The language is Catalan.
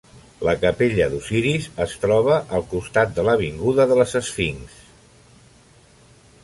La capella d'Osiris es troba al costat de l'avinguda de les Esfinxs.